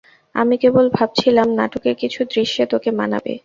আমি কেবল ভাবছিলাম, নাটকের কিছু দৃশ্যে তোকে মানাবে।